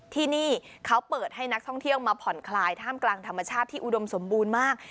ที่นี่เขาเปิดให้นักท่องเที่ยวมาผ่อนคลายท่ามกลางธรรมชาติที่อุดมสมบูรณ์มาก